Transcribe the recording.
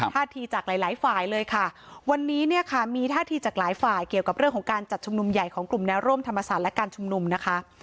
ท่าทีจากหลายหลายฝ่ายเลยค่ะวันนี้เนี่ยค่ะมีท่าทีจากหลายฝ่ายเกี่ยวกับเรื่องของการจัดชุมนุมใหญ่ของกลุ่มแนวร่วมธรรมศาสตร์และการชุมนุมนะคะ